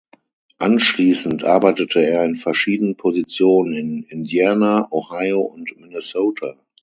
Anschließend arbeitete er in verschiedenen Positionen in Indiana, Ohio und Minnesota.